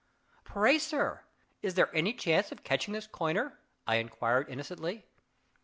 "Pray, sir, is there any chance of catching this coiner?" I inquired innocently.